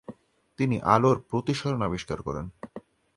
তিনি আলোর প্রতিসরণ আবিষ্কার করেন।